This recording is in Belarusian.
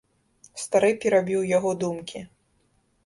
Стары перабіў яго думкі.